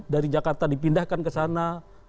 dari jakarta dipindahkan ke sana